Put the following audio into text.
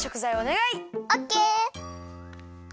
オッケー！